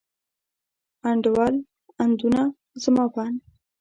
انډول، اندونه، زما په اند.